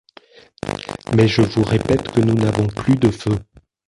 Mais, je vous répète que nous n’avons plus de feu!